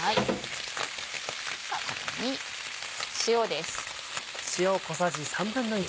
ではここに塩です。